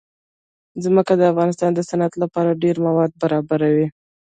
ځمکه د افغانستان د صنعت لپاره ډېر مواد برابروي.